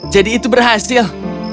jadi itu berhasil